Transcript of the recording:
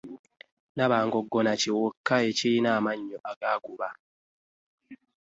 Nabangongona kiwuka ekirina amannyo agaaguba.